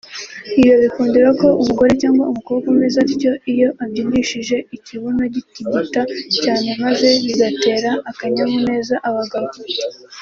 ibi babikundira ko umugore cyangwa umukobwa umeze atyo iyo abyinishije ikibuno gitigita cyane maze bigatera akanyamuneza abagabo